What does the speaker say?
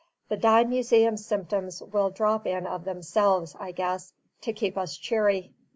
"The dime museum symptoms will drop in of themselves, I guess, to keep us cheery."